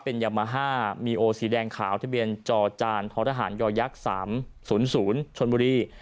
เป็นยามาฮ่ามีโอสีแดงขาวทะเบียนจอจานท้อทหารยอยักษ์๓๐๐ชนบุรี